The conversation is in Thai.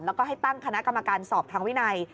แล้วก็ให้ตั้งคณะกรรมการสอบทางวินัย